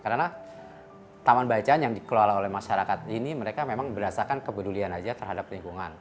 karena taman bacaan yang dikelola oleh masyarakat ini mereka memang berdasarkan kepedulian aja terhadap lingkungan